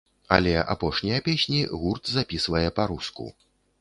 Але апошнія песні гурт запісвае па-руску.